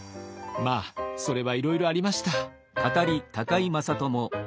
まあそれはいろいろありました。